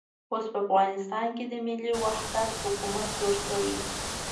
اوس په افغانستان کې د ملي وحدت حکومت جوړ شوی.